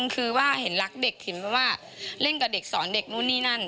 คือว่าเห็นรักเด็กเห็นแบบว่าเล่นกับเด็กสอนเด็กนู่นนี่นั่น